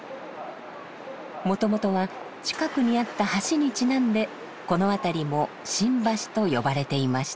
もともとは近くにあった橋にちなんでこの辺りも新橋と呼ばれていました。